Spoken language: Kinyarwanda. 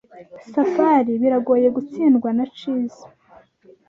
Safari biragoye gutsindwa na chess.